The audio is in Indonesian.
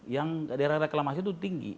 yang daerah reklamasi itu tinggi